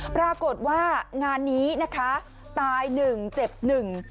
ปรากฏว่างานนี้นะคะตายหนึ่งเจ็บหนึ่ง